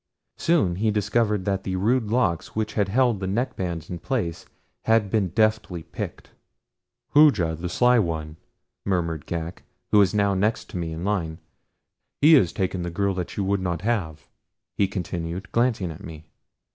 Soon he discovered that the rude locks which had held the neckbands in place had been deftly picked. "Hooja the Sly One," murmured Ghak, who was now next to me in line. "He has taken the girl that you would not have," he continued, glancing at me.